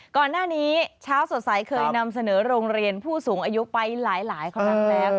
ก่อนหน้านี้เช้าสดใสเคยนำเสนอโรงเรียนผู้สูงอายุไปหลายครั้งแล้ว